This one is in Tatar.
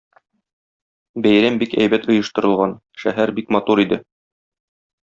Бәйрәм бик әйбәт оештырылган, шәһәр бик матур иде.